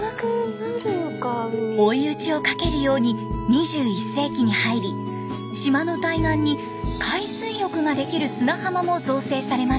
追い打ちをかけるように２１世紀に入り島の対岸に海水浴ができる砂浜も造成されました。